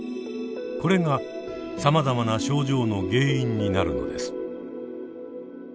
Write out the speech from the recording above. これがさまざまな症状の原因になるのです。